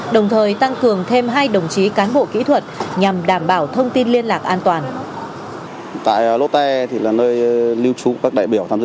đồng thời tăng cường thêm hai đoàn đại biểu của đảng